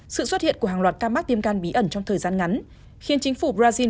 sự xuất hiện của hàng loạt ca mắc tiêm can bí ẩn trong thời gian ngắn khiến chính phủ brazil